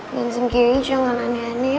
main sendiri jangan aneh aneh ya